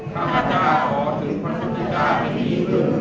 ข้าพเจ้าขอถึงพระสุทธเจ้าเป็นที่พึ่ง